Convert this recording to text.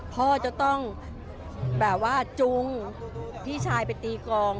พ่อต้องจูงพี่ชายไปตีกรอง